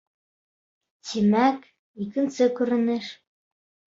Тимәк, икенсе күренеш.